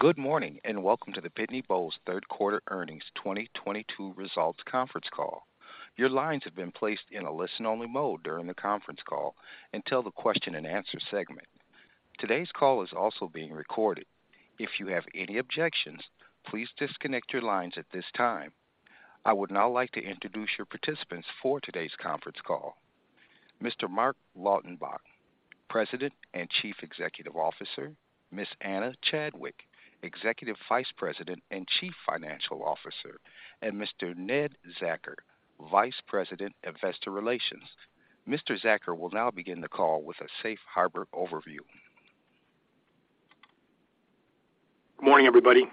Good morning, and welcome to the Pitney Bowes third quarter earnings 2022 results conference call. Your lines have been placed in a listen-only mode during the conference call until the question-and-answer segment. Today's call is also being recorded. If you have any objections, please disconnect your lines at this time. I would now like to introduce your participants for today's conference call. Mr. Marc Lautenbach, President and Chief Executive Officer, Ms. Ana Chadwick, Executive Vice President and Chief Financial Officer, and Mr. Ned Zachar, Vice President, Investor Relations. Mr. Zachar will now begin the call with a safe harbor overview. Morning, everybody.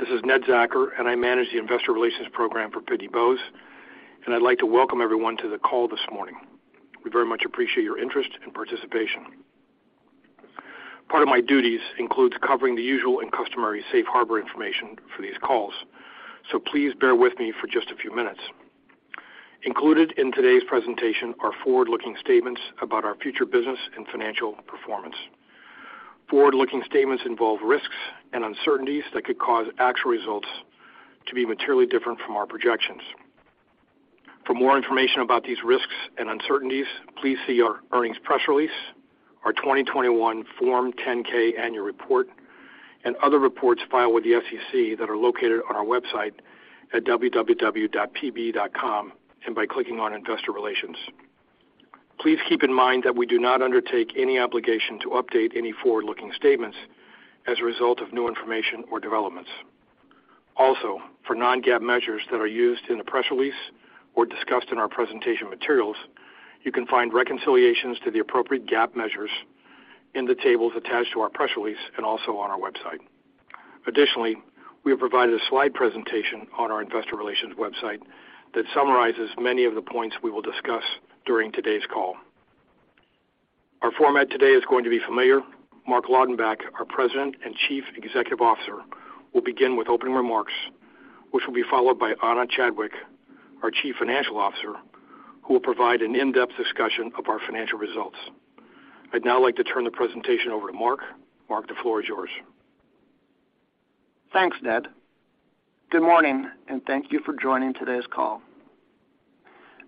This is Ned Zachar, and I manage the investor relations program for Pitney Bowes, and I'd like to welcome everyone to the call this morning. We very much appreciate your interest and participation. Part of my duties includes covering the usual and customary safe harbor information for these calls, so please bear with me for just a few minutes. Included in today's presentation are forward-looking statements about our future business and financial performance. Forward-looking statements involve risks and uncertainties that could cause actual results to be materially different from our projections. For more information about these risks and uncertainties, please see our earnings press release, our 2021 Form 10-K annual report, and other reports filed with the SEC that are located on our website at www.pb.com and by clicking on investor relations. Please keep in mind that we do not undertake any obligation to update any forward-looking statements as a result of new information or developments. Also, for non-GAAP measures that are used in the press release or discussed in our presentation materials, you can find reconciliations to the appropriate GAAP measures in the tables attached to our press release and also on our website. Additionally, we have provided a slide presentation on our investor relations website that summarizes many of the points we will discuss during today's call. Our format today is going to be familiar. Marc Lautenbach, our President and Chief Executive Officer, will begin with opening remarks, which will be followed by Ana Chadwick, our Chief Financial Officer, who will provide an in-depth discussion of our financial results. I'd now like to turn the presentation over to Marc. Marc, the floor is yours. Thanks, Ned. Good morning, and thank you for joining today's call.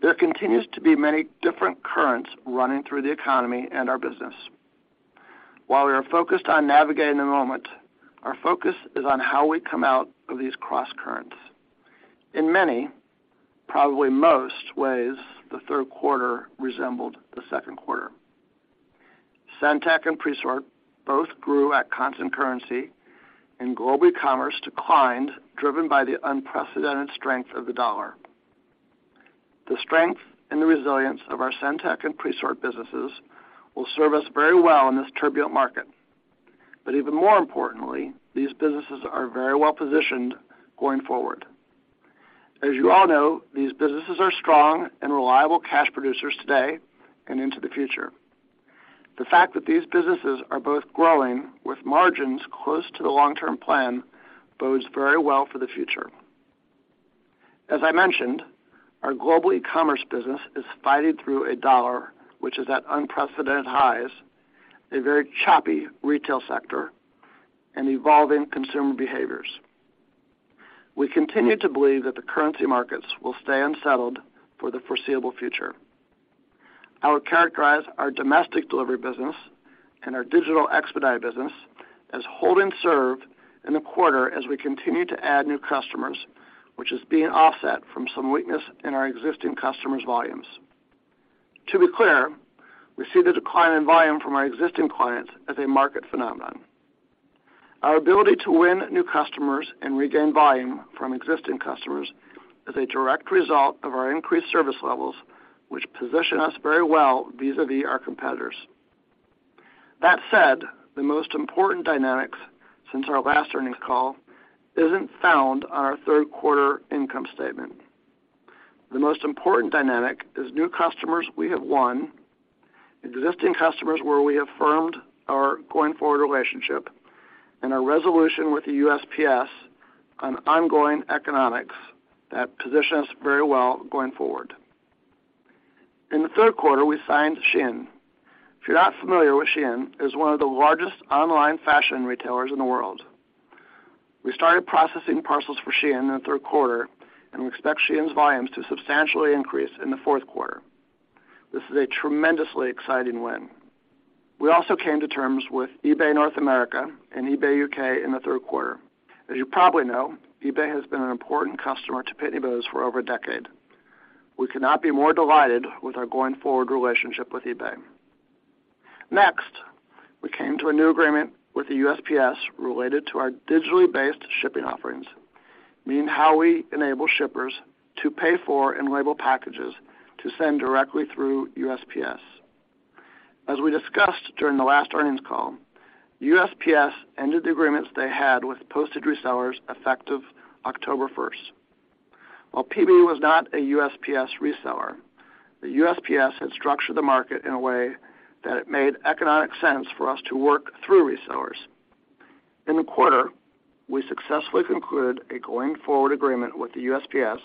There continues to be many different currents running through the economy and our business. While we are focused on navigating the moment, our focus is on how we come out of these crosscurrents. In many, probably most ways, the third quarter resembled the second quarter. SendTech and Presort both grew at constant currency, and Global Ecommerce declined, driven by the unprecedented strength of the dollar. The strength and the resilience of our SendTech and Presort businesses will serve us very well in this turbulent market. Even more importantly, these businesses are very well-positioned going forward. As you all know, these businesses are strong and reliable cash producers today and into the future. The fact that these businesses are both growing with margins close to the long-term plan bodes very well for the future. As I mentioned, our Global Ecommerce business is fighting through a dollar which is at unprecedented highs, a very choppy retail sector, and evolving consumer behaviors. We continue to believe that the currency markets will stay unsettled for the foreseeable future. I would characterize our domestic delivery business and our digital expedite business as hold and serve in the quarter as we continue to add new customers, which is being offset from some weakness in our existing customers' volumes. To be clear, we see the decline in volume from our existing clients as a market phenomenon. Our ability to win new customers and regain volume from existing customers is a direct result of our increased service levels, which position us very well vis-à-vis our competitors. That said, the most important dynamics since our last earnings call isn't found on our third quarter income statement. The most important dynamic is new customers we have won, existing customers where we have firmed our going-forward relationship, and our resolution with the USPS on ongoing economics that position us very well going forward. In the third quarter, we signed Shein. If you're not familiar with Shein, it is one of the largest online fashion retailers in the world. We started processing parcels for Shein in the third quarter, and we expect Shein's volumes to substantially increase in the fourth quarter. This is a tremendously exciting win. We also came to terms with eBay North America and eBay U.K. in the third quarter. As you probably know, eBay has been an important customer to Pitney Bowes for over a decade. We could not be more delighted with our going-forward relationship with eBay. Next, we came to a new agreement with the USPS related to our digitally based shipping offerings, meaning how we enable shippers to pay for and label packages to send directly through USPS. As we discussed during the last earnings call, USPS ended the agreements they had with postage resellers effective October first. While PB was not a USPS reseller, the USPS had structured the market in a way that it made economic sense for us to work through resellers. In the quarter, we successfully concluded a going-forward agreement with the USPS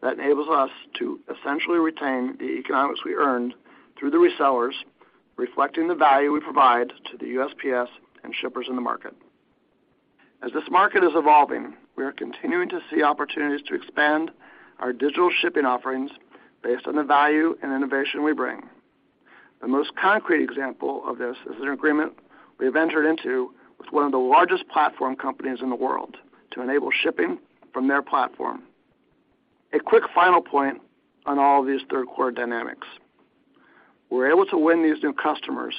that enables us to essentially retain the economics we earned through the resellers, reflecting the value we provide to the USPS and shippers in the market. As this market is evolving, we are continuing to see opportunities to expand our digital shipping offerings based on the value and innovation we bring. The most concrete example of this is an agreement we have entered into with one of the largest platform companies in the world to enable shipping from their platform. A quick final point on all of these third quarter dynamics. We're able to win these new customers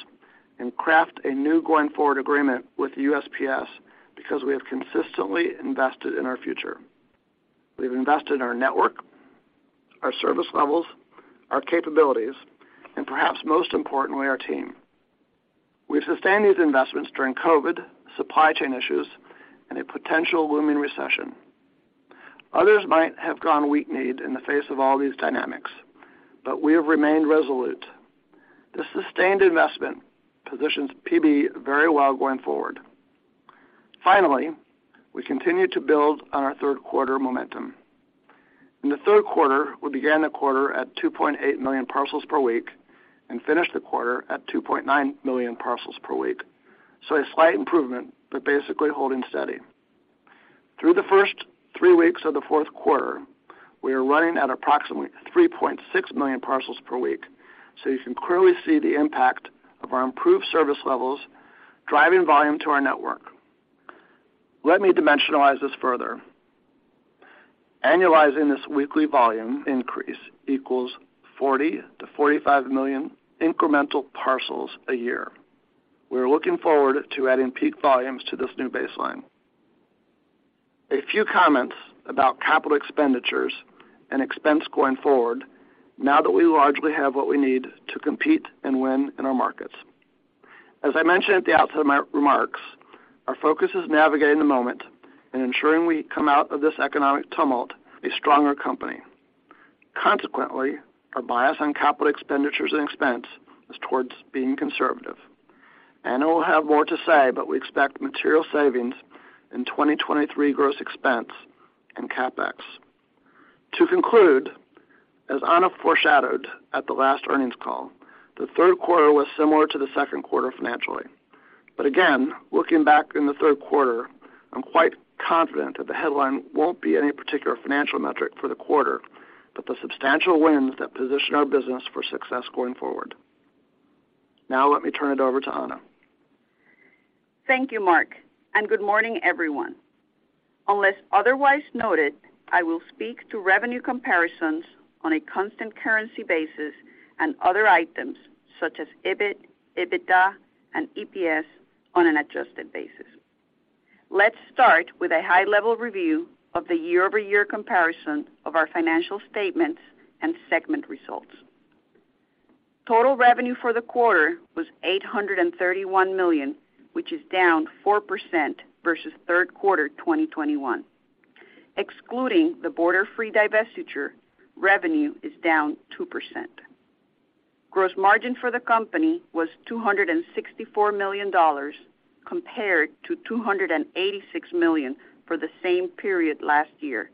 and craft a new going forward agreement with USPS because we have consistently invested in our future. We've invested in our network, our service levels, our capabilities, and perhaps most importantly, our team. We've sustained these investments during COVID, supply chain issues, and a potential looming recession. Others might have gone weak-kneed in the face of all these dynamics, but we have remained resolute. This sustained investment positions PB very well going forward. Finally, we continue to build on our third quarter momentum. In the third quarter, we began the quarter at 2.8 million parcels per week and finished the quarter at 2.9 million parcels per week. A slight improvement, but basically holding steady. Through the first three weeks of the fourth quarter, we are running at approximately 3.6 million parcels per week, so you can clearly see the impact of our improved service levels driving volume to our network. Let me dimensionalize this further. Annualizing this weekly volume increase equals 40-45 million incremental parcels a year. We're looking forward to adding peak volumes to this new baseline. A few comments about capital expenditures and expense going forward now that we largely have what we need to compete and win in our markets. As I mentioned at the outset of my remarks, our focus is navigating the moment and ensuring we come out of this economic tumult a stronger company. Consequently, our bias on capital expenditures and expense is towards being conservative. Ana will have more to say, but we expect material savings in 2023 gross expense and CapEx. To conclude, as Ana foreshadowed at the last earnings call, the third quarter was similar to the second quarter financially. Again, looking back in the third quarter, I'm quite confident that the headline won't be any particular financial metric for the quarter, but the substantial wins that position our business for success going forward. Now let me turn it over to Ana. Thank you, Marc, and good morning, everyone. Unless otherwise noted, I will speak to revenue comparisons on a constant currency basis and other items such as EBIT, EBITDA, and EPS on an adjusted basis. Let's start with a high-level review of the year-over-year comparison of our financial statements and segment results. Total revenue for the quarter was $831 million, which is down 4% versus third quarter 2021. Excluding the Borderfree divestiture, revenue is down 2%. Gross margin for the company was $264 million compared to $286 million for the same period last year,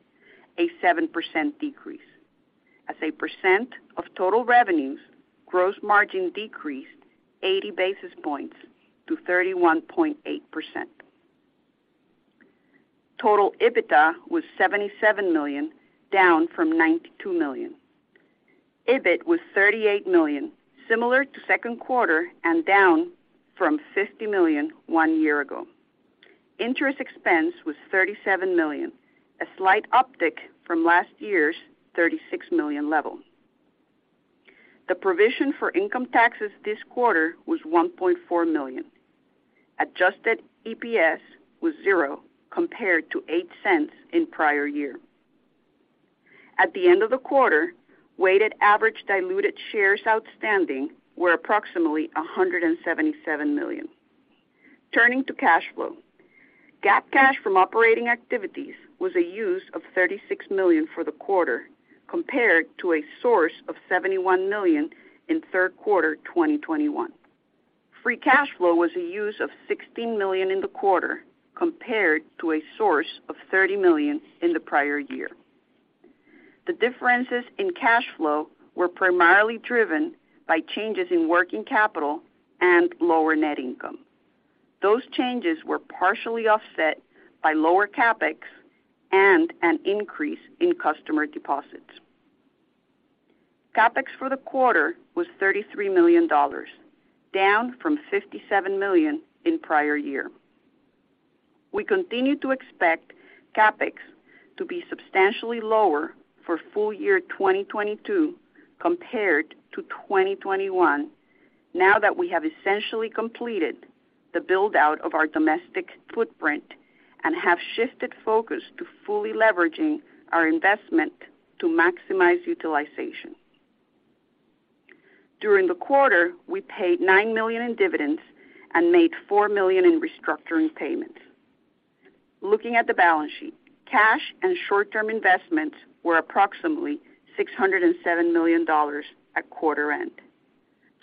a 7% decrease. As a percent of total revenues, gross margin decreased 80 basis points to 31.8%. Total EBITDA was $77 million, down from $92 million. EBIT was $38 million, similar to second quarter and down from $50 million 1 year ago. Interest expense was $37 million, a slight uptick from last year's $36 million level. The provision for income taxes this quarter was $1.4 million. Adjusted EPS was $0.00, compared to $0.08 in prior year. At the end of the quarter, weighted average diluted shares outstanding were approximately 177 million. Turning to cash flow. GAAP cash from operating activities was a use of $36 million for the quarter, compared to a source of $71 million in third quarter 2021. Free cash flow was a use of $16 million in the quarter, compared to a source of $30 million in the prior year. The differences in cash flow were primarily driven by changes in working capital and lower net income. Those changes were partially offset by lower CapEx and an increase in customer deposits. CapEx for the quarter was $33 million, down from $57 million in prior year. We continue to expect CapEx to be substantially lower for full year 2022 compared to 2021 now that we have essentially completed the build-out of our domestic footprint and have shifted focus to fully leveraging our investment to maximize utilization. During the quarter, we paid $9 million in dividends and made $4 million in restructuring payments. Looking at the balance sheet, cash and short-term investments were approximately $607 million at quarter end.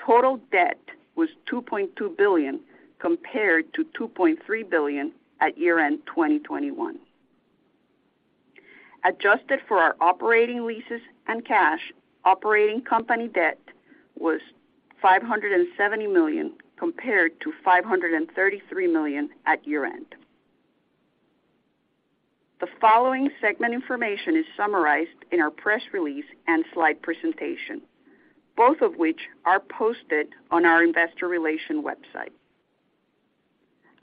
Total debt was $2.2 billion compared to $2.3 billion at year-end 2021. Adjusted for our operating leases and cash, operating company debt was $570 million compared to $533 million at year-end. The following segment information is summarized in our press release and slide presentation, both of which are posted on our investor relations website.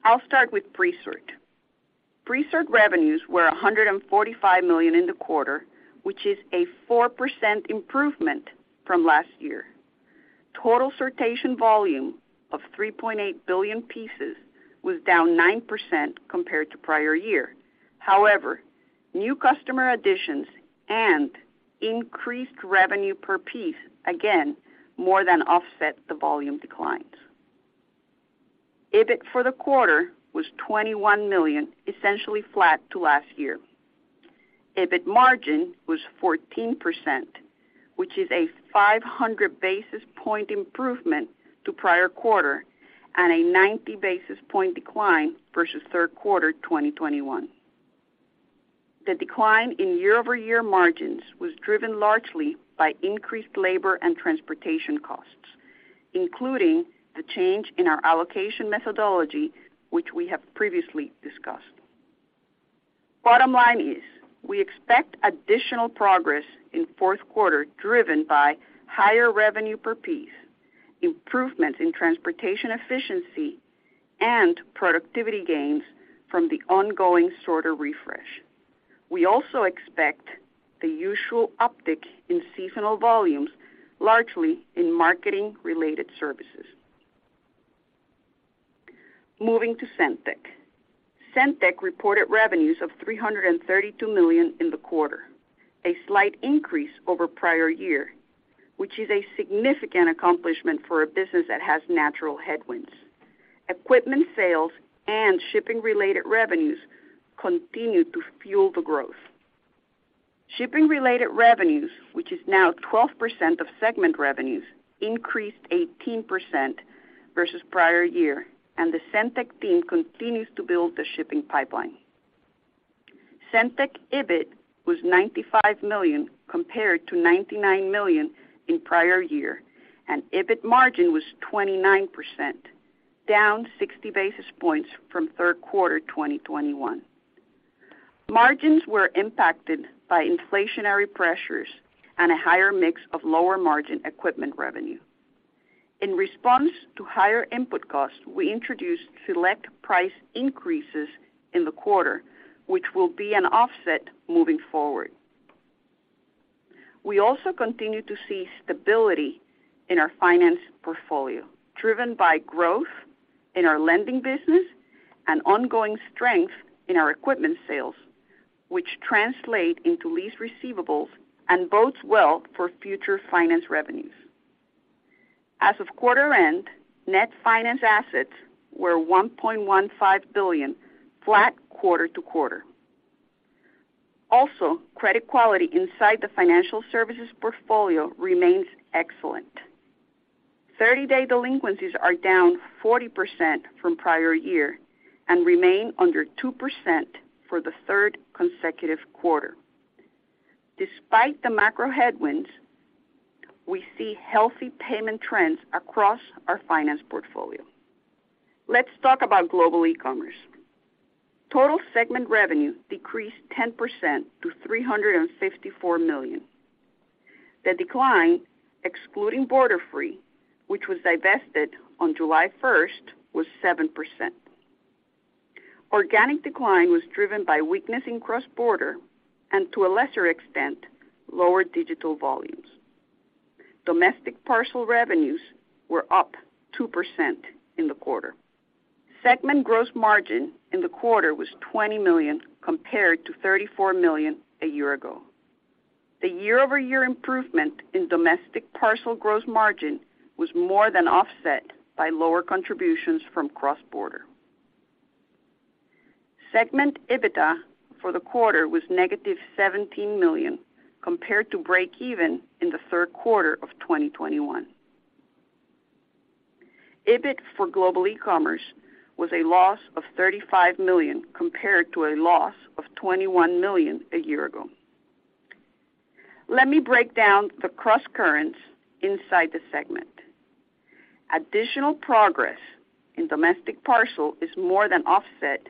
I'll start with Presort. Presort revenues were $145 million in the quarter, which is a 4% improvement from last year. Total sortation volume of 3.8 billion pieces was down 9% compared to prior year. However, new customer additions and increased revenue per piece again more than offset the volume declines. EBIT for the quarter was $21 million, essentially flat to last year. EBIT margin was 14%, which is a 500 basis point improvement to prior quarter and a 90 basis point decline versus third quarter 2021. The decline in year-over-year margins was driven largely by increased labor and transportation costs, including the change in our allocation methodology, which we have previously discussed. Bottom line is we expect additional progress in fourth quarter driven by higher revenue per piece, improvements in transportation efficiency, and productivity gains from the ongoing sorter refresh. We also expect the usual uptick in seasonal volumes, largely in marketing-related services. Moving to SendTech. SendTech reported revenues of $332 million in the quarter, a slight increase over prior year, which is a significant accomplishment for a business that has natural headwinds. Equipment sales and shipping-related revenues continued to fuel the growth. Shipping-related revenues, which is now 12% of segment revenues, increased 18% versus prior year, and the SendTech team continues to build the shipping pipeline. SendTech EBIT was $95 million compared to $99 million in prior year, and EBIT margin was 29%, down 60 basis points from third quarter 2021. Margins were impacted by inflationary pressures and a higher mix of lower margin equipment revenue. In response to higher input costs, we introduced select price increases in the quarter, which will be an offset moving forward. We also continue to see stability in our finance portfolio, driven by growth in our lending business and ongoing strength in our equipment sales, which translate into lease receivables and bodes well for future finance revenues. As of quarter end, net finance assets were $1.15 billion, flat quarter to quarter. Also, credit quality inside the financial services portfolio remains excellent. 30-day delinquencies are down 40% from prior year and remain under 2% for the third consecutive quarter. Despite the macro headwinds, we see healthy payment trends across our finance portfolio. Let's talk about Global Ecommerce. Total segment revenue decreased 10% to $354 million. The decline, excluding Borderfree, which was divested on July 1st, was 7%. Organic decline was driven by weakness in cross-border and to a lesser extent, lower digital volumes. Domestic parcel revenues were up 2% in the quarter. Segment gross margin in the quarter was $20 million compared to $34 million a year ago. The year-over-year improvement in domestic parcel gross margin was more than offset by lower contributions from cross-border. Segment EBITDA for the quarter was -$17 million compared to break even in the third quarter of 2021. EBIT for Global Ecommerce was a loss of $35 million compared to a loss of $21 million a year ago. Let me break down the cross-currents inside the segment. Additional progress in domestic parcel is more than offset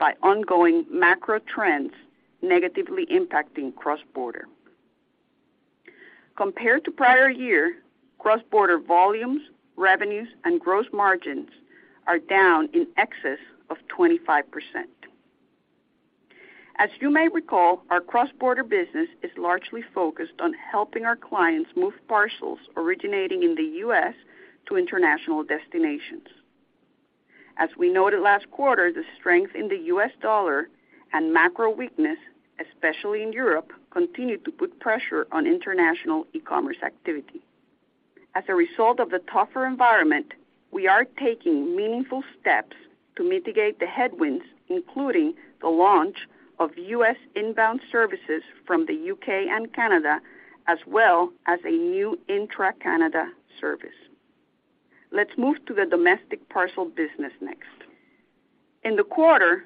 by ongoing macro trends negatively impacting cross-border. Compared to prior year, cross-border volumes, revenues, and gross margins are down in excess of 25%. As you may recall, our cross-border business is largely focused on helping our clients move parcels originating in the U.S. to international destinations. As we noted last quarter, the strength in the U.S. dollar and macro weakness, especially in Europe, continued to put pressure on international e-commerce activity. As a result of the tougher environment, we are taking meaningful steps to mitigate the headwinds, including the launch of U.S. inbound services from the U.K. and Canada, as well as a new intra-Canada service. Let's move to the domestic parcel business next. In the quarter,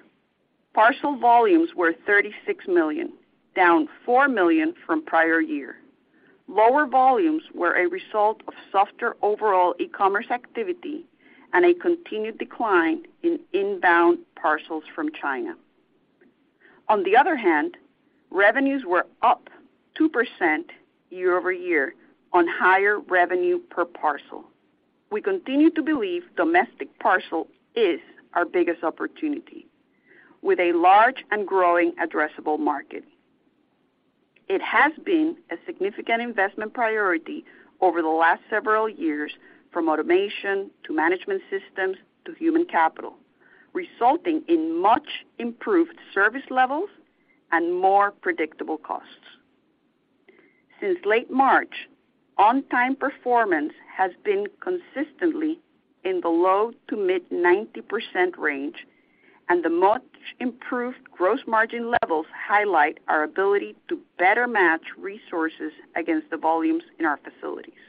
parcel volumes were 36 million, down 4 million from prior year. Lower volumes were a result of softer overall e-commerce activity and a continued decline in inbound parcels from China. On the other hand, revenues were up 2% year-over-year on higher revenue per parcel. We continue to believe domestic parcel is our biggest opportunity, with a large and growing addressable market. It has been a significant investment priority over the last several years, from automation to management systems to human capital, resulting in much improved service levels and more predictable costs. Since late March, on-time performance has been consistently in the low- to mid-90% range, and the much improved gross margin levels highlight our ability to better match resources against the volumes in our facilities.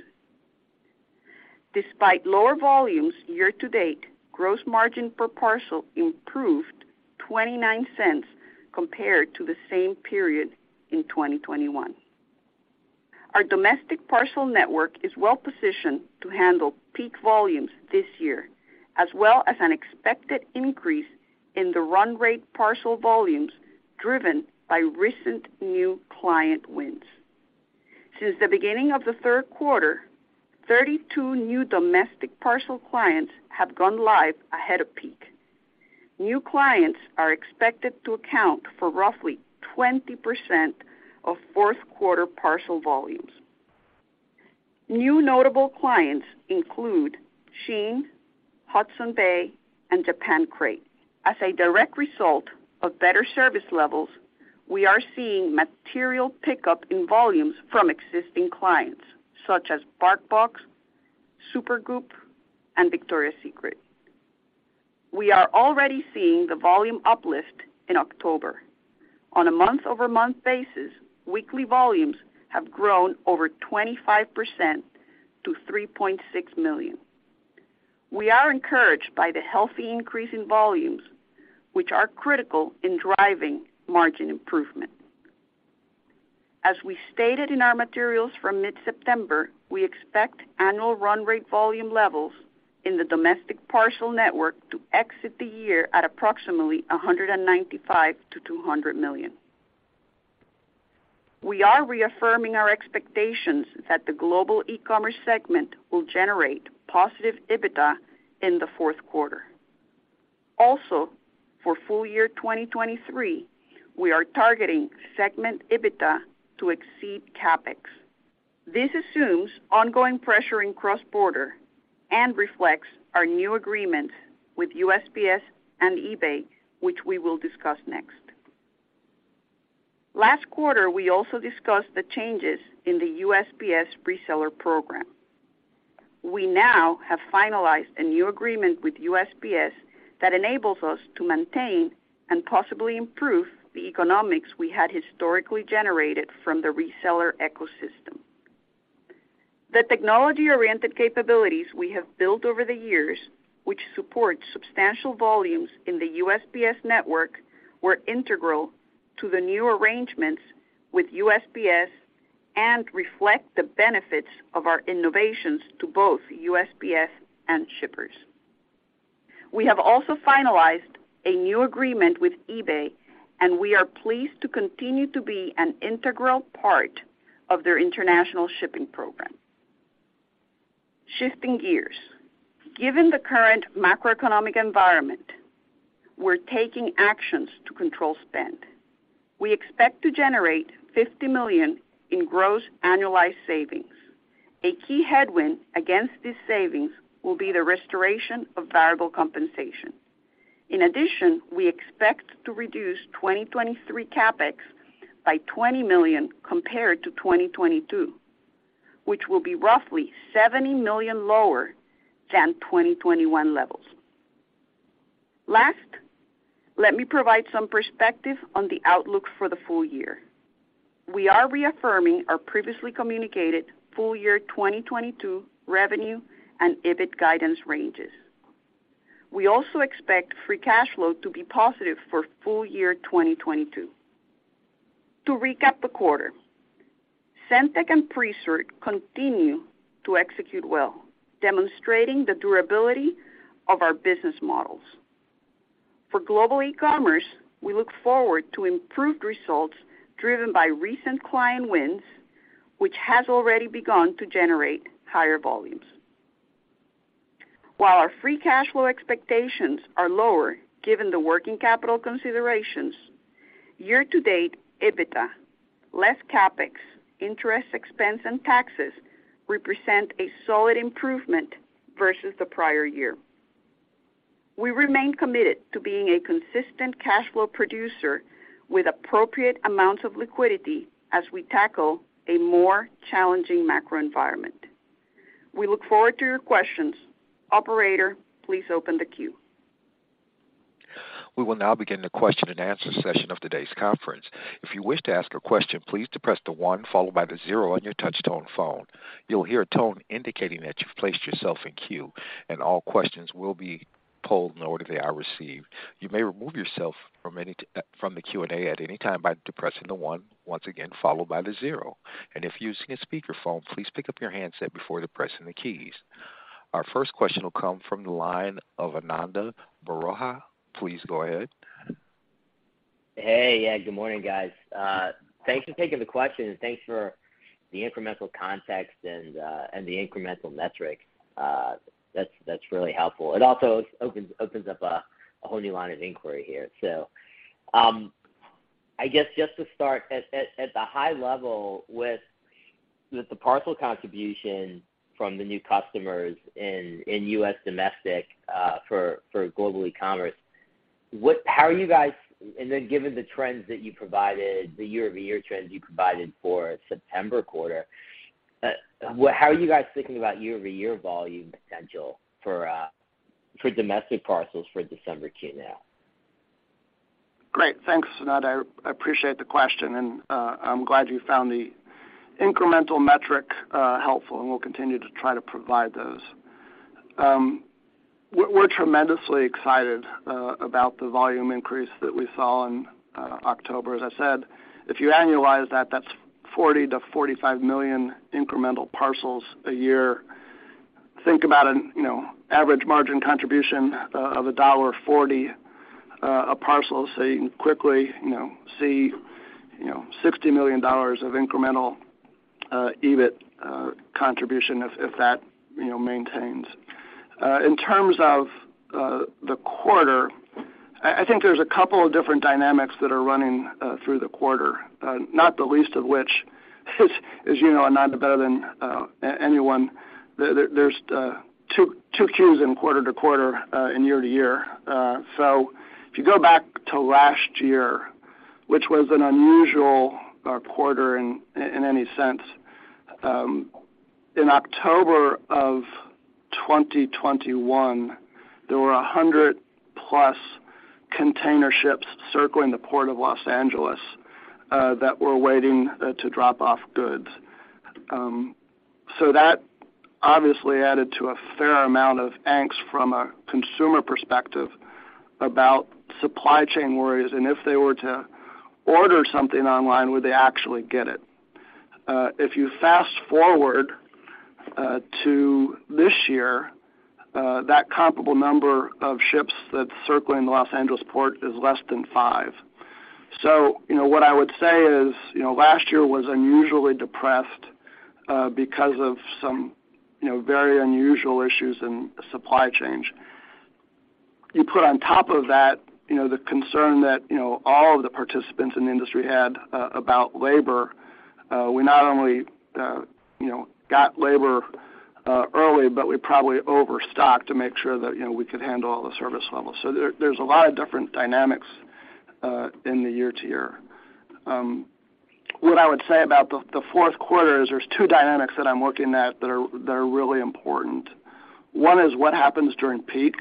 Despite lower volumes year-to-date, gross margin per parcel improved $0.29 compared to the same period in 2021. Our domestic parcel network is well-positioned to handle peak volumes this year, as well as an expected increase in the run rate parcel volumes driven by recent new client wins. Since the beginning of the third quarter, 32 new domestic parcel clients have gone live ahead of peak. New clients are expected to account for roughly 20% of fourth quarter parcel volumes. New notable clients include Shein, Hudson's Bay, and Japan Crate. As a direct result of better service levels, we are seeing material pickup in volumes from existing clients such as BarkBox, Supergoop, and Victoria's Secret. We are already seeing the volume uplift in October. On a month-over-month basis, weekly volumes have grown over 25% to 3.6 million. We are encouraged by the healthy increase in volumes, which are critical in driving margin improvement. As we stated in our materials from mid-September, we expect annual run rate volume levels in the domestic parcel network to exit the year at approximately 195 million-200 million. We are reaffirming our expectations that the Global Ecommerce segment will generate positive EBITDA in the fourth quarter. Also, for full year 2023, we are targeting segment EBITDA to exceed CapEx. This assumes ongoing pressure in cross-border and reflects our new agreement with USPS and eBay, which we will discuss next. Last quarter, we also discussed the changes in the USPS reseller program. We now have finalized a new agreement with USPS that enables us to maintain and possibly improve the economics we had historically generated from the reseller ecosystem. The technology-oriented capabilities we have built over the years, which support substantial volumes in the USPS network, were integral to the new arrangements with USPS and reflect the benefits of our innovations to both USPS and shippers. We have also finalized a new agreement with eBay, and we are pleased to continue to be an integral part of their international shipping program. Shifting gears. Given the current macroeconomic environment, we're taking actions to control spend. We expect to generate $50 million in gross annualized savings. A key headwind against these savings will be the restoration of variable compensation. In addition, we expect to reduce 2023 CapEx by $20 million compared to 2022, which will be roughly $70 million lower than 2021 levels. Last, let me provide some perspective on the outlook for the full year. We are reaffirming our previously communicated full year 2022 revenue and EBIT guidance ranges. We also expect free cash flow to be positive for full year 2022. To recap the quarter, SendTech and Presort continue to execute well, demonstrating the durability of our business models. For Global Ecommerce, we look forward to improved results driven by recent client wins, which has already begun to generate higher volumes. While our free cash flow expectations are lower given the working capital considerations, year to date, EBITDA, less CapEx, interest expense and taxes represent a solid improvement versus the prior year. We remain committed to being a consistent cash flow producer with appropriate amounts of liquidity as we tackle a more challenging macro environment. We look forward to your questions. Operator, please open the queue. We will now begin the question-and-answer session of today's conference. If you wish to ask a question, please press the one followed by the zero on your touch-tone phone. You'll hear a tone indicating that you've placed yourself in queue, and all questions will be pulled in the order they are received. You may remove yourself from the Q&A at any time by pressing the one, once again, followed by the zero. If using a speaker phone, please pick up your handset before pressing the keys. Our first question will come from the line of Ananda Baruah. Please go ahead. Hey. Yeah, good morning, guys. Thanks for taking the question, and thanks for the incremental context and the incremental metrics. That's really helpful. It also opens up a whole new line of inquiry here. I guess just to start at the high level with the parcel contribution from the new customers in U.S. domestic for Global Ecommerce, how are you guys, and then given the trends that you provided, the year-over-year trends you provided for September quarter, how are you guys thinking about year-over-year volume potential for domestic parcels for December Q now? Great. Thanks, Ananda. I appreciate the question, and I'm glad you found the incremental metric helpful, and we'll continue to try to provide those. We're tremendously excited about the volume increase that we saw in October. As I said, if you annualize that's 40 million-45 million incremental parcels a year. Think about an, you know, average margin contribution of $1.40 a parcel, so you can quickly, you know, see, you know, $60 million of incremental EBIT contribution if that, you know, maintains. In terms of the quarter, I think there's a couple of different dynamics that are running through the quarter, not the least of which is, as you know, Ananda, better than anyone, there's two Qs in quarter-to-quarter and year-to-year. If you go back to last year, which was an unusual quarter in any sense, in October of 2021, there were 100+ container ships circling the Port of Los Angeles that were waiting to drop off goods. That obviously added to a fair amount of angst from a consumer perspective about supply chain worries, and if they were to order something online, would they actually get it? If you fast-forward to this year, that comparable number of ships that's circling the Los Angeles port is less than five. You know, what I would say is, you know, last year was unusually depressed because of some, you know, very unusual issues in supply chains. You put on top of that, you know, the concern that, you know, all of the participants in the industry had about labor. We not only, you know, got labor early, but we probably overstocked to make sure that, you know, we could handle all the service levels. There's a lot of different dynamics in the year-to-year. What I would say about the fourth quarter is there's two dynamics that I'm looking at that are really important. One is what happens during peak,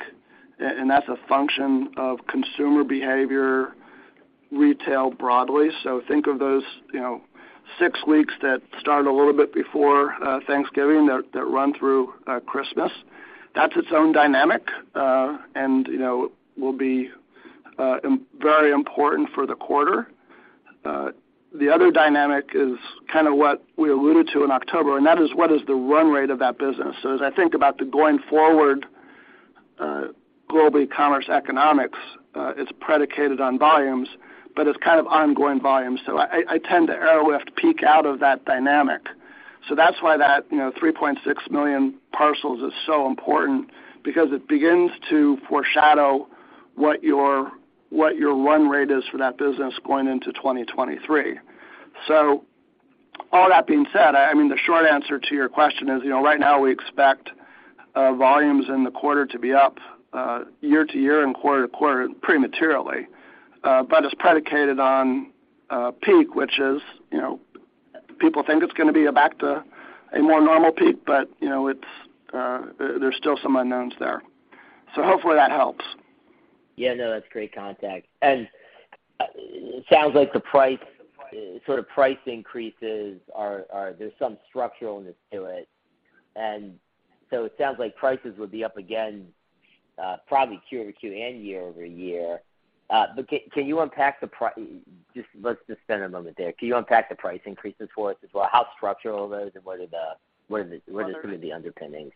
and that's a function of consumer behavior, retail broadly. Think of those, you know, six weeks that start a little bit before Thanksgiving that run through Christmas. That's its own dynamic, and will be very important for the quarter. The other dynamic is kind of what we alluded to in October, and that is what is the run rate of that business? As I think about the going forward Global Ecommerce economics, it's predicated on volumes, but it's kind of ongoing volumes. I tend to airlift peak out of that dynamic. That's why that 3.6 million parcels is so important because it begins to foreshadow what your run rate is for that business going into 2023. All that being said, I mean, the short answer to your question is, you know, right now we expect volumes in the quarter to be up year to year and quarter to quarter pretty materially. But it's predicated on peak, which is, you know, people think it's gonna be back to a more normal peak, but, you know, it's there. There's still some unknowns there. Hopefully that helps. Yeah, no, that's great context. It sounds like the price, sort of price increases are. There's some structural-ness to it. It sounds like prices would be up again, probably quarter-to-quarter and year-over-year. Let's just spend a moment there. Can you unpack the price increases for us as well? How structural are those, and what are some of the underpinnings?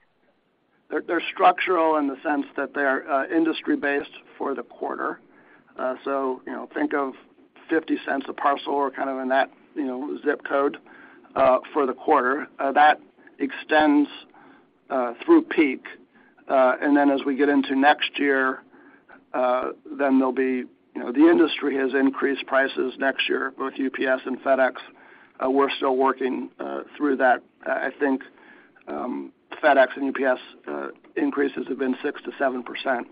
They're structural in the sense that they are industry-based for the quarter. So, you know, think of $0.50 a parcel or kind of in that zip code for the quarter. That extends through peak. Then as we get into next year, there'll be, you know, the industry has increased prices next year, both UPS and FedEx. We're still working through that. I think FedEx and UPS increases have been 6%-7%.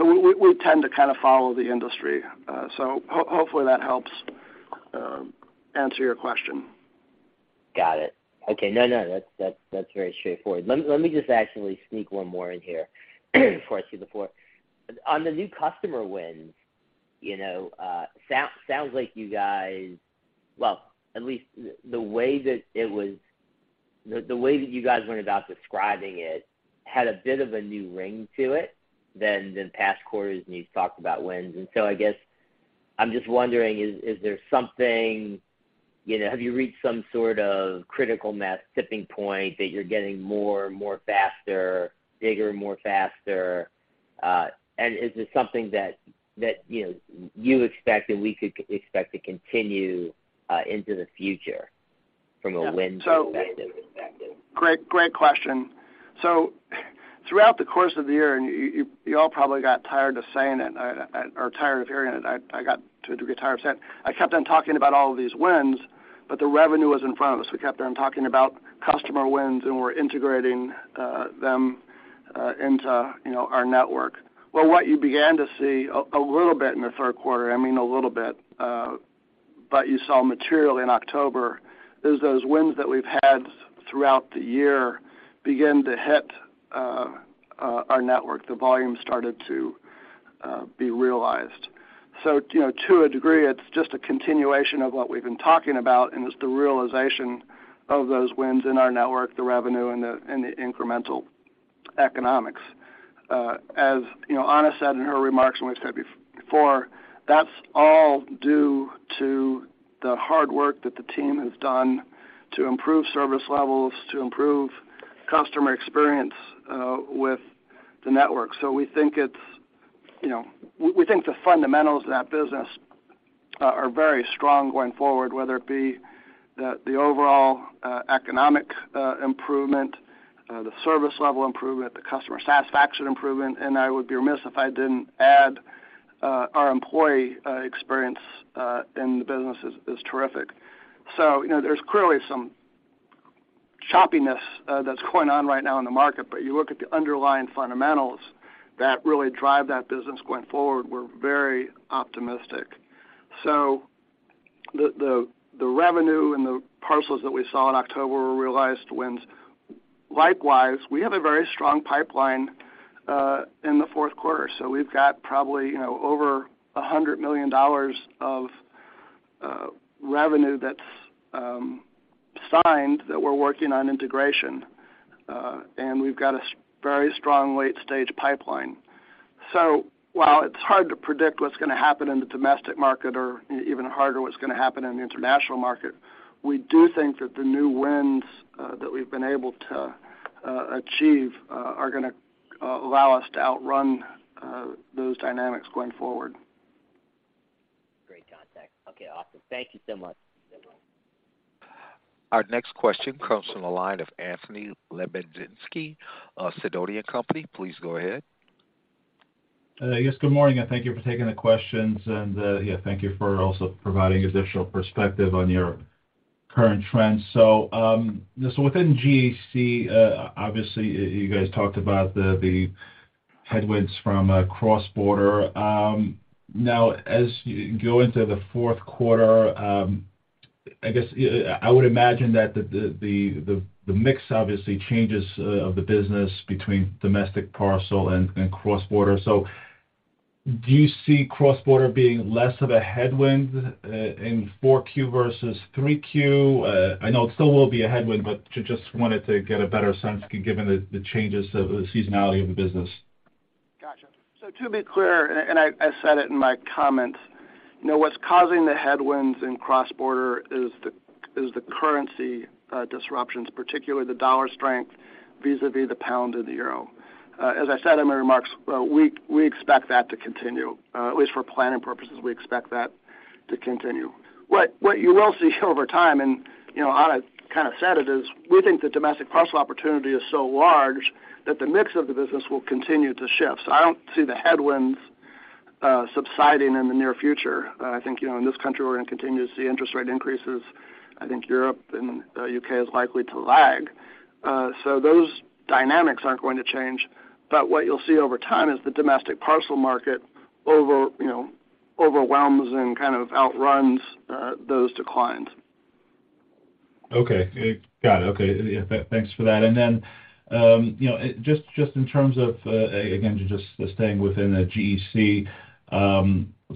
We tend to kind of follow the industry. Hopefully that helps answer your question. Got it. Okay. No, that's very straightforward. Let me just actually sneak one more in here before I see the four. On the new customer wins, you know, sounds like you guys, well, at least the way that it was, the way that you guys went about describing it had a bit of a new ring to it than the past quarters when you talked about wins. I guess I'm just wondering, is there something, you know, have you reached some sort of critical mass tipping point that you're getting more faster, bigger, more faster? And is this something that, you know, you expect and we could expect to continue into the future from a wins perspective? Great question. Throughout the course of the year, and you all probably got tired of saying it or tired of hearing it, I got to a degree tired of saying it. I kept on talking about all of these wins, but the revenue was in front of us. We kept on talking about customer wins, and we're integrating them into, you know, our network. What you began to see a little bit in the third quarter, I mean, a little bit, but you saw material in October, is those wins that we've had throughout the year begin to hit our network. The volume started to be realized. You know, to a degree, it's just a continuation of what we've been talking about, and it's the realization of those wins in our network, the revenue and the incremental economics. As you know, Ana said in her remarks, and we've said before, that's all due to the hard work that the team has done to improve service levels, to improve customer experience with the network. We think it's, you know, the fundamentals of that business are very strong going forward, whether it be the overall economic improvement, the service level improvement, the customer satisfaction improvement. I would be remiss if I didn't add our employee experience in the business is terrific. You know, there's clearly some choppiness that's going on right now in the market. You look at the underlying fundamentals that really drive that business going forward, we're very optimistic. The revenue and the parcels that we saw in October were realized wins. Likewise, we have a very strong pipeline in the fourth quarter. We've got probably, you know, over $100 million of revenue that's signed that we're working on integration. We've got a very strong late-stage pipeline. While it's hard to predict what's gonna happen in the domestic market or even harder what's gonna happen in the international market, we do think that the new wins that we've been able to achieve are gonna allow us to outrun those dynamics going forward. Great context. Okay, awesome. Thank you so much. Our next question comes from the line of Anthony Lebiedzinski of Sidoti & Company. Please go ahead. Yes, good morning, and thank you for taking the questions. Yeah, thank you for also providing additional perspective on your current trends. Within GEC, obviously you guys talked about the headwinds from cross-border. Now as you go into the fourth quarter, I guess I would imagine that the mix obviously changes of the business between domestic parcel and cross-border. Do you see cross-border being less of a headwind in four Q versus three Q? I know it still will be a headwind, but just wanted to get a better sense given the changes of the seasonality of the business. Gotcha. To be clear, and I said it in my comments, you know, what's causing the headwinds in cross-border is the currency disruptions, particularly the dollar strength vis-à-vis the pound and the euro. As I said in my remarks, we expect that to continue, at least for planning purposes, we expect that to continue. What you will see over time, and you know, Ana kind of said it, is we think the domestic parcel opportunity is so large that the mix of the business will continue to shift. I don't see the headwinds subsiding in the near future. I think, you know, in this country, we're going to continue to see interest rate increases. I think Europe and U.K. is likely to lag. Those dynamics aren't going to change. What you'll see over time is the domestic parcel market, you know, overwhelms and kind of outruns those declines. Okay. Got it. Okay. Yeah, thanks for that. You know, just in terms of again just staying within GEC,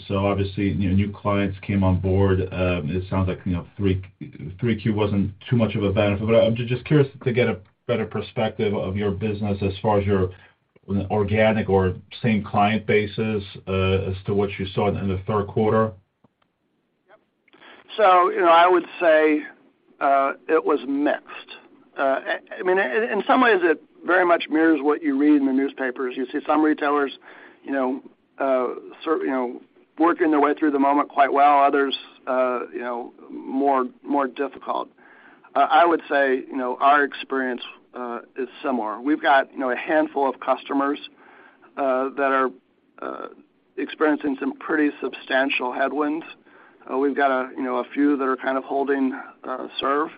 so obviously, new clients came on board. It sounds like, you know, 3Q wasn't too much of a benefit, but I'm just curious to get a better perspective of your business as far as your organic or same client base is as to what you saw in the third quarter. Yep. You know, I would say it was mixed. I mean, in some ways it very much mirrors what you read in the newspapers. You see some retailers, you know, sort of, you know, working their way through the moment quite well, others, you know, more difficult. I would say, you know, our experience is similar. We've got, you know, a handful of customers that are experiencing some pretty substantial headwinds. We've got a, you know, a few that are kind of holding serve,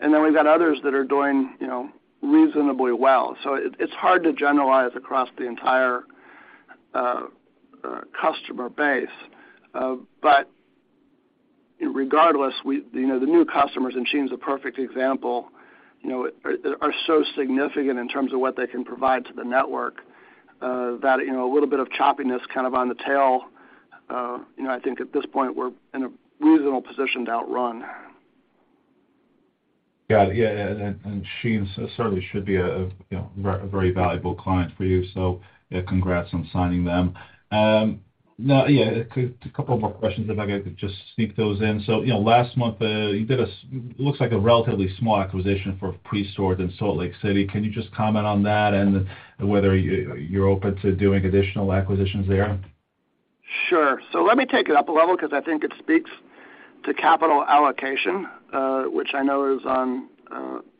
and then we've got others that are doing, you know, reasonably well. It's hard to generalize across the entire customer base. Regardless, we, you know, the new customers, and Shein's a perfect example, you know, are so significant in terms of what they can provide to the network, that, you know, a little bit of choppiness kind of on the tail, you know, I think at this point, we're in a reasonable position to outrun. Got it. Yeah. Shein certainly should be a, you know, very valuable client for you. Congrats on signing them. Now, a couple more questions, if I could just sneak those in. You know, last month, you did looks like a relatively small acquisition for Presort in Salt Lake City. Can you just comment on that and whether you're open to doing additional acquisitions there? Sure. Let me take it up a level because I think it speaks to capital allocation, which I know is on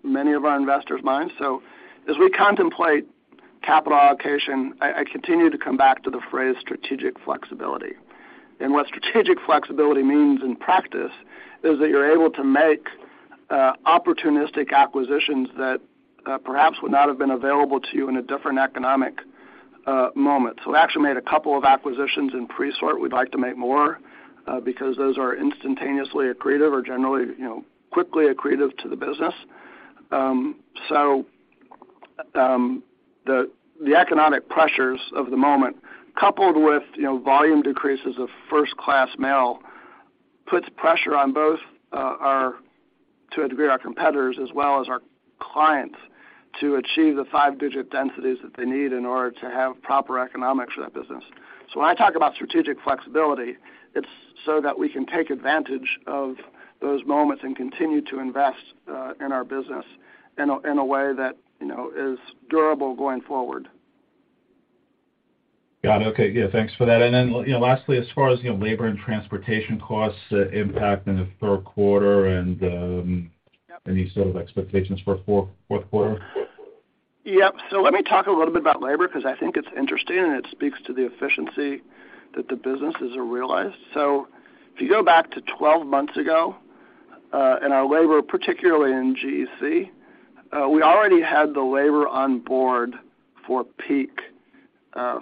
many of our investors' minds. As we contemplate capital allocation, I continue to come back to the phrase strategic flexibility. What strategic flexibility means in practice is that you're able to make opportunistic acquisitions that perhaps would not have been available to you in a different economic moment. We actually made a couple of acquisitions in Presort. We'd like to make more because those are instantaneously accretive or generally, you know, quickly accretive to the business. The economic pressures of the moment, coupled with you know volume decreases of first-class mail, puts pressure on both, to a degree, our competitors as well as our clients to achieve the five-digit densities that they need in order to have proper economics for that business. When I talk about strategic flexibility, it's so that we can take advantage of those moments and continue to invest in our business in a way that, you know, is durable going forward. Got it. Okay. Yeah, thanks for that. You know, lastly, as far as, you know, labor and transportation costs impact in the third quarter and any sort of expectations for fourth quarter? Yep. Let me talk a little bit about labor because I think it's interesting, and it speaks to the efficiency that the businesses have realized. If you go back to 12 months ago, and our labor, particularly in GEC, we already had the labor on board for peak,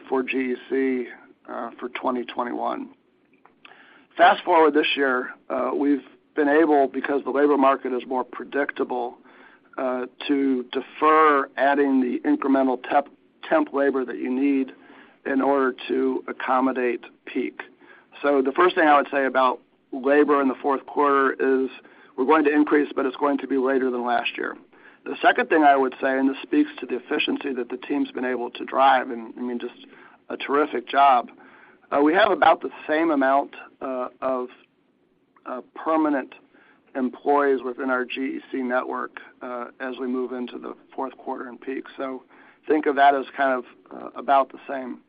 for GEC, for 2021. Fast-forward this year, we've been able, because the labor market is more predictable, to defer adding the incremental temp labor that you need in order to accommodate peak. The first thing I would say about labor in the fourth quarter is we're going to increase, but it's going to be later than last year. The second thing I would say, and this speaks to the efficiency that the team's been able to drive, and I mean, just a terrific job. We have about the same amount of permanent employees within our GEC network as we move into the fourth quarter and peak. Think of that as kind of about the same.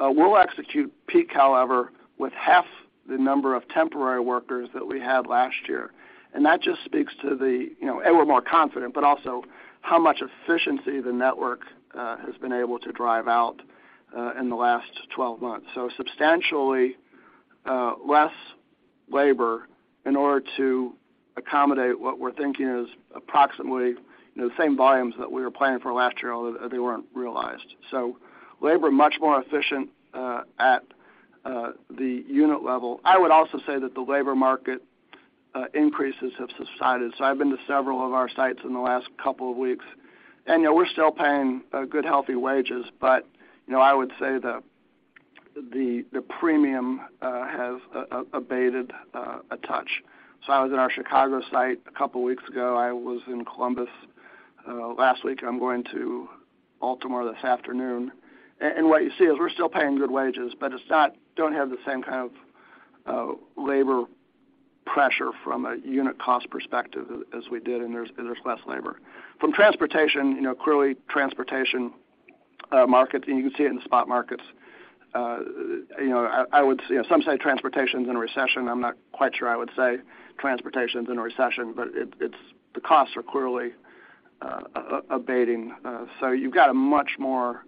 We'll execute peak, however, with half the number of temporary workers that we had last year. That just speaks to the, you know, we're more confident, but also how much efficiency the network has been able to drive out in the last 12 months. Substantially less labor in order to accommodate what we're thinking is approximately the same volumes that we were planning for last year, although they weren't realized. Labor much more efficient at the unit level. I would also say that the labor market increases have subsided. I've been to several of our sites in the last couple of weeks, and you know, we're still paying good healthy wages, but you know, I would say the premium has abated a touch. I was in our Chicago site a couple weeks ago. I was in Columbus last week. I'm going to Baltimore this afternoon. What you see is we're still paying good wages, but don't have the same kind of labor pressure from a unit cost perspective as we did, and there's less labor. From transportation, you know, clearly transportation market, and you can see it in the spot markets. You know, I would say some say transportation's in a recession. I'm not quite sure I would say transportation's in a recession, but the costs are clearly abating. You've got a much more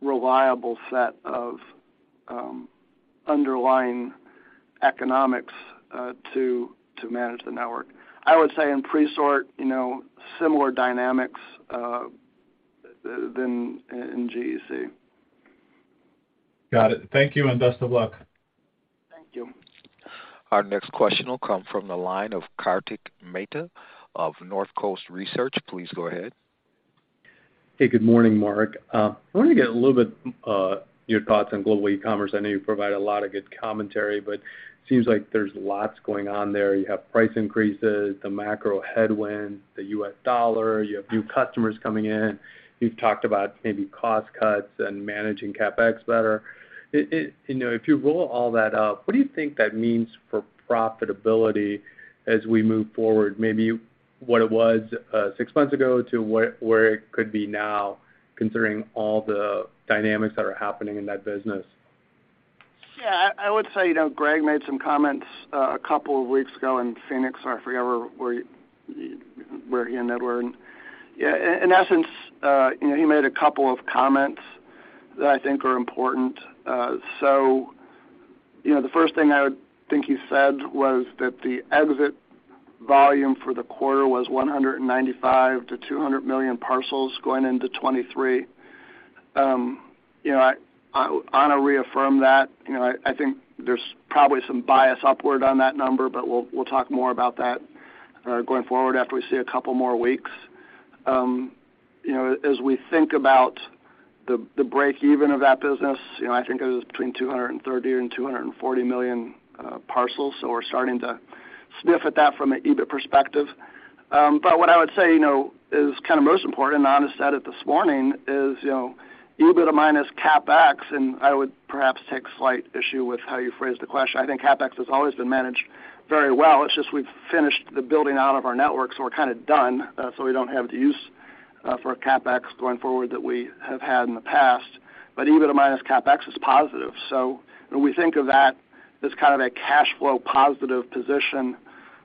reliable set of underlying economics to manage the network. I would say in Presort, you know, similar dynamics to in GEC. Got it. Thank you, and best of luck. Thank you. Our next question will come from the line of Kartik Mehta of Northcoast Research. Please go ahead. Hey, good morning, Marc. I wanted to get a little bit, your thoughts on Global Ecommerce. I know you provide a lot of good commentary, but seems like there's lots going on there. You have price increases, the macro headwind, the U.S. dollar, you have new customers coming in. You've talked about maybe cost cuts and managing CapEx better. You know, if you roll all that up, what do you think that means for profitability as we move forward? Maybe what it was, six months ago to where it could be now, considering all the dynamics that are happening in that business. Yeah. I would say, you know, Greg made some comments a couple of weeks ago in Phoenix, or I forget where he and Ed were. Yeah, in essence, you know, he made a couple of comments that I think are important. You know, the first thing I would think you said was that the exit volume for the quarter was 195-200 million parcels going into 2023. You know, I wanna reaffirm that. You know, I think there's probably some bias upward on that number, but we'll talk more about that going forward after we see a couple more weeks. You know, as we think about the break-even of that business, you know, I think it was between 230 and 240 million parcels. We're starting to sniff at that from an EBIT perspective. But what I would say, you know, is kind of most important, and Ana said it this morning, is, you know, EBIT minus CapEx, and I would perhaps take slight issue with how you phrased the question. I think CapEx has always been managed very well. It's just we've finished the building out of our network, so we're kinda done, so we don't have the use, for a CapEx going forward that we have had in the past. EBIT minus CapEx is positive. When we think of that as kind of a cash flow positive position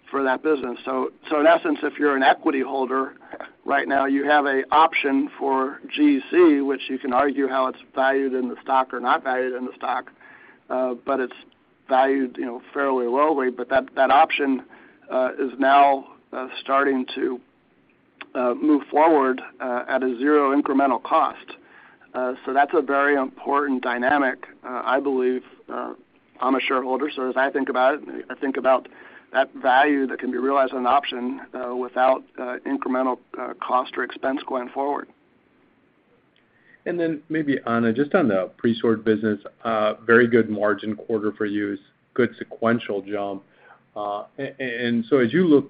for that business. In essence, if you're an equity holder, right now you have an option for GEC, which you can argue how it's valued in the stock or not valued in the stock, but it's valued, you know, fairly lowly. But that option is now starting to move forward at a zero incremental cost. That's a very important dynamic, I believe. I'm a shareholder, so as I think about it, I think about that value that can be realized on an option without incremental cost or expense going forward. Maybe Ana, just on the Presort business, very good margin quarter for you, good sequential jump. So as you look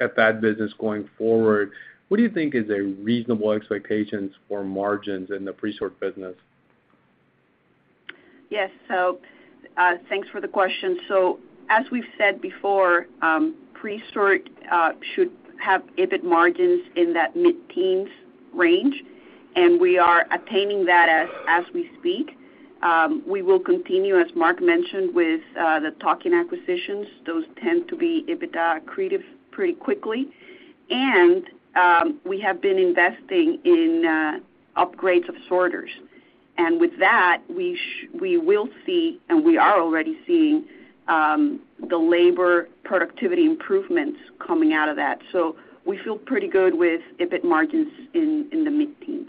at that business going forward, what do you think is a reasonable expectations for margins in the Presort business? Yes. Thanks for the question. As we've said before, Presort should have EBIT margins in that mid-teens range, and we are attaining that as we speak. We will continue, as Marc mentioned, with the tuck-in acquisitions. Those tend to be EBITDA accretive pretty quickly. We have been investing in upgrades of sorters. With that, we will see, and we are already seeing, the labor productivity improvements coming out of that. We feel pretty good with EBIT margins in the mid-teens.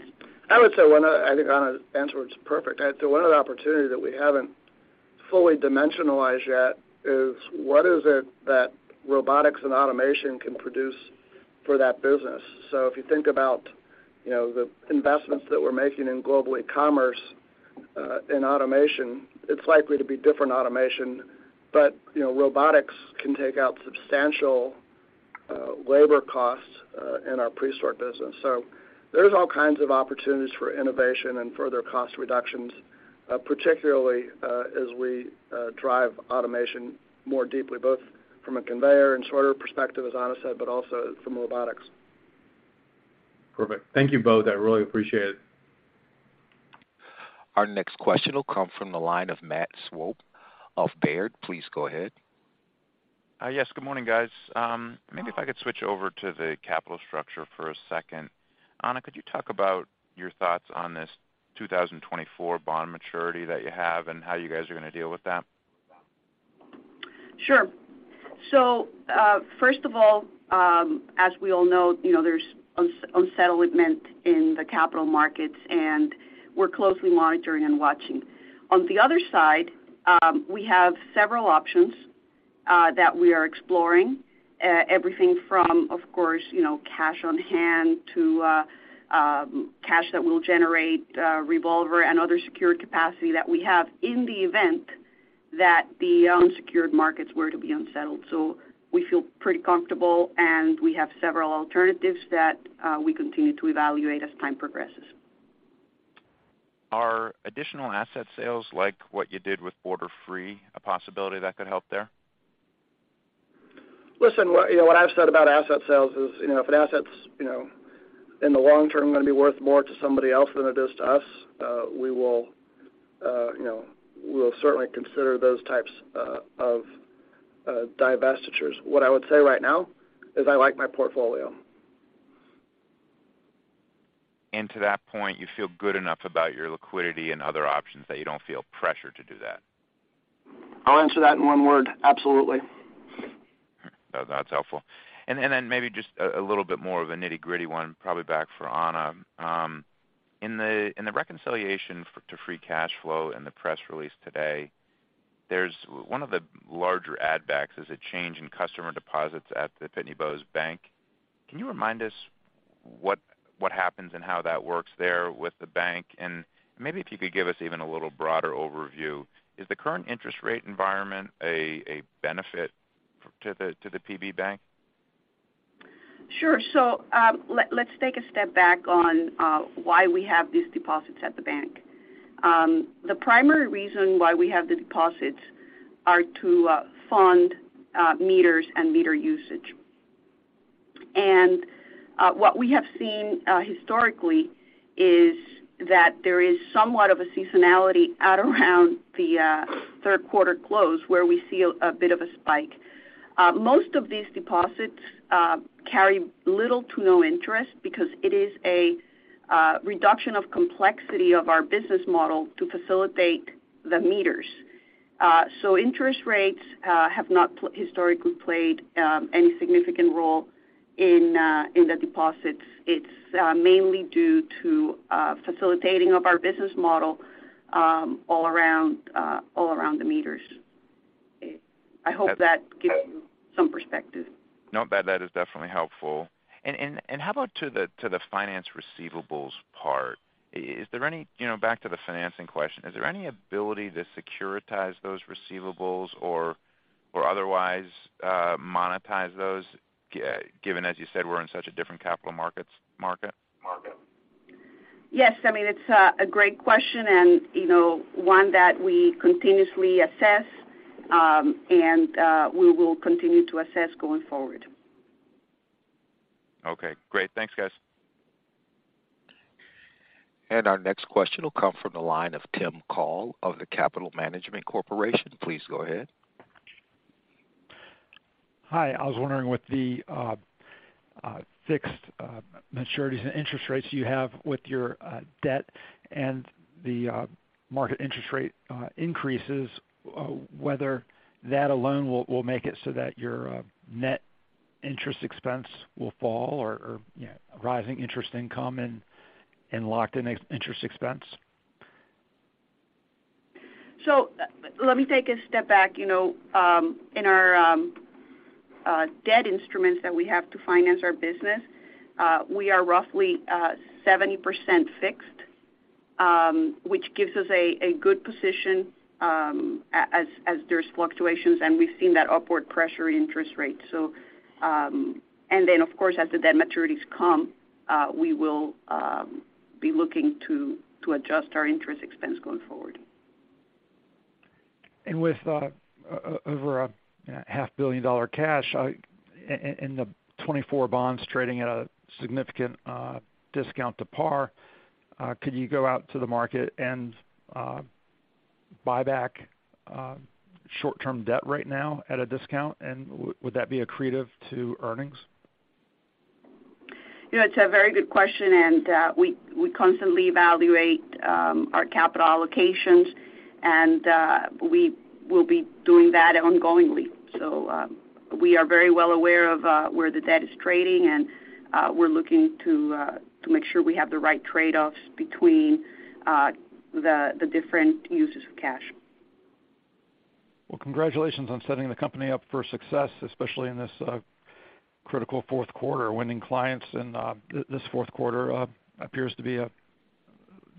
I would say I think Ana's answer was perfect. One of the opportunities that we haven't fully dimensionalized yet is what is it that robotics and automation can produce for that business? If you think about, you know, the investments that we're making in Global Ecommerce, in automation, it's likely to be different automation. You know, robotics can take out substantial labor costs in our Presort business. There's all kinds of opportunities for innovation and further cost reductions, particularly, as we drive automation more deeply, both from a conveyor and sorter perspective, as Ana said, but also from robotics. Perfect. Thank you both. I really appreciate it. Our next question will come from the line of Matt Swope of Baird. Please go ahead. Yes. Good morning, guys. Maybe if I could switch over to the capital structure for a second. Ana, could you talk about your thoughts on this 2024 bond maturity that you have and how you guys are gonna deal with that? Sure. First of all, as we all know, you know, there's unsettlement in the capital markets, and we're closely monitoring and watching. On the other side, we have several options that we are exploring, everything from, of course, you know, cash on hand to, cash that we'll generate, revolver and other secured capacity that we have in the event that the unsecured markets were to be unsettled. We feel pretty comfortable, and we have several alternatives that we continue to evaluate as time progresses. Are additional asset sales like what you did with Borderfree a possibility that could help there? You know, what I've said about asset sales is, you know, if an asset's, you know, in the long term gonna be worth more to somebody else than it is to us, we will, you know, we'll certainly consider those types of divestitures. What I would say right now is I like my portfolio. To that point, you feel good enough about your liquidity and other options that you don't feel pressure to do that? I'll answer that in one word. Absolutely. That's helpful. Then maybe just a little bit more of a nitty-gritty one, probably back for Ana. In the reconciliation to free cash flow in the press release today, there's one of the larger add backs is a change in customer deposits at the Pitney Bowes Bank. Can you remind us what happens and how that works there with the bank? Maybe if you could give us even a little broader overview, is the current interest rate environment a benefit to the PB Bank? Sure. Let's take a step back on why we have these deposits at the bank. The primary reason why we have the deposits are to fund meters and meter usage. What we have seen historically is that there is somewhat of a seasonality at around the third quarter close, where we see a bit of a spike. Most of these deposits carry little to no interest because it is a reduction of complexity of our business model to facilitate the meters. Interest rates have not historically played any significant role in the deposits. It's mainly due to facilitating of our business model all around the meters. I hope that gives you some perspective. No, that is definitely helpful. How about the finance receivables part? Is there any? You know, back to the financing question, is there any ability to securitize those receivables or otherwise monetize those, given, as you said, we're in such a different capital market? Yes. I mean, it's a great question, and you know, one that we continuously assess, and we will continue to assess going forward. Okay, great. Thanks, guys. Our next question will come from the line of Tim Call of The Capital Management Corporation. Please go ahead. Hi. I was wondering what the fixed maturities and interest rates you have with your debt and the market interest rate increases, whether that alone will make it so that your net interest expense will fall or, you know, rising interest income and locked-in fixed interest expense. Let me take a step back. You know, in our debt instruments that we have to finance our business, we are roughly 70% fixed, which gives us a good position as there's fluctuations, and we've seen that upward pressure in interest rates. Of course, as the debt maturities come, we will be looking to adjust our interest expense going forward. With over half a billion dollars in cash, the 2024 bonds trading at a significant discount to par, could you go out to the market and buy back short-term debt right now at a discount, and would that be accretive to earnings? You know, it's a very good question, and we constantly evaluate our capital allocations and we will be doing that ongoingly. We are very well aware of where the debt is trading, and we're looking to make sure we have the right trade-offs between the different uses of cash. Well, congratulations on setting the company up for success, especially in this critical fourth quarter.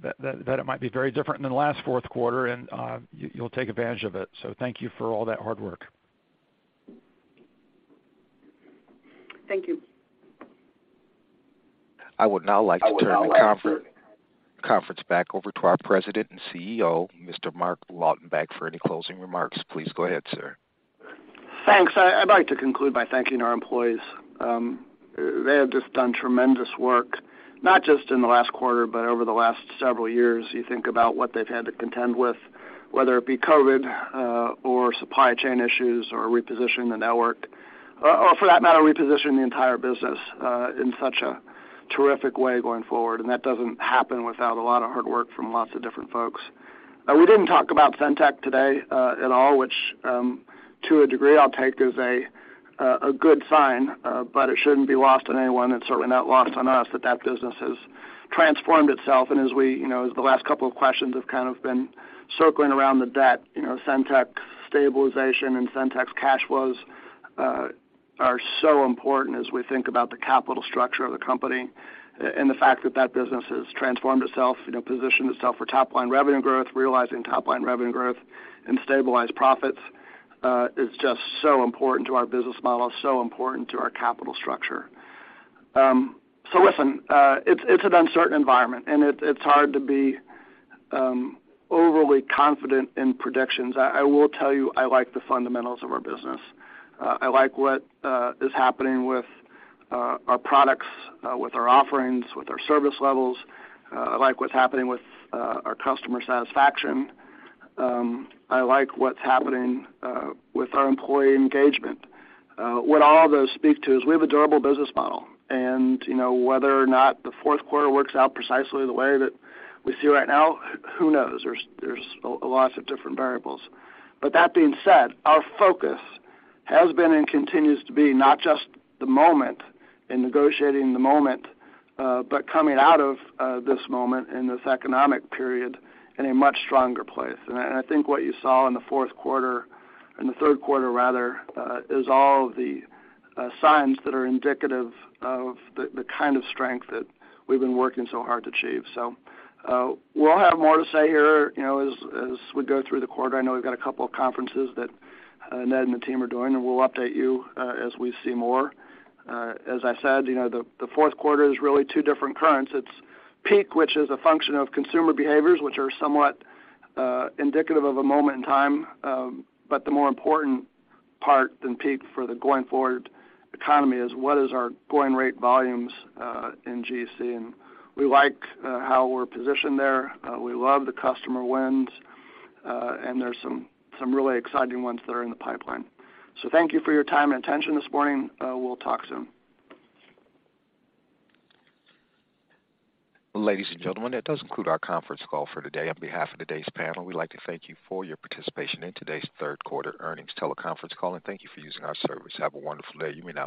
That it might be very different than the last fourth quarter, and you'll take advantage of it. Thank you for all that hard work. Thank you. I would now like to turn the conference back over to our President and CEO, Mr. Marc Lautenbach, for any closing remarks. Please go ahead, sir. Thanks. I'd like to conclude by thanking our employees. They have just done tremendous work, not just in the last quarter, but over the last several years. You think about what they've had to contend with, whether it be COVID, or supply chain issues or repositioning the network, or for that matter, repositioning the entire business, in such a terrific way going forward. That doesn't happen without a lot of hard work from lots of different folks. We didn't talk about SendTech today, at all, which, to a degree, I'll take as a good sign. But it shouldn't be lost on anyone, it's certainly not lost on us, that that business has transformed itself. As the last couple of questions have kind of been circling around the debt, you know, SendTech stabilization and SendTech's cash flows are so important as we think about the capital structure of the company. The fact that the business has transformed itself, you know, positioned itself for top line revenue growth, realizing top line revenue growth and stabilized profits is just so important to our business model, so important to our capital structure. Listen, it's an uncertain environment, and it's hard to be overly confident in predictions. I will tell you, I like the fundamentals of our business. I like what is happening with our products, with our offerings, with our service levels. I like what's happening with our customer satisfaction. I like what's happening with our employee engagement. What all those speak to is we have a durable business model. You know, whether or not the fourth quarter works out precisely the way that we see right now, who knows? There's a lot of different variables. That being said, our focus has been and continues to be not just the moment in negotiating the moment, but coming out of this moment in this economic period in a much stronger place. I think what you saw in the fourth quarter, in the third quarter rather, is all the signs that are indicative of the kind of strength that we've been working so hard to achieve. We'll have more to say here, you know, as we go through the quarter. I know we've got a couple of conferences that, Ned and the team are doing, and we'll update you, as we see more. As I said, you know, the fourth quarter is really two different currents. It's peak, which is a function of consumer behaviors, which are somewhat indicative of a moment in time. The more important part than peak for the going forward economy is what is our ongoing volumes in GEC. We like how we're positioned there. We love the customer wins. There's some really exciting ones that are in the pipeline. Thank you for your time and attention this morning. We'll talk soon. Ladies and gentlemen, that does conclude our conference call for today. On behalf of today's panel, we'd like to thank you for your participation in today's third quarter earnings teleconference call, and thank you for using our service. Have a wonderful day. You may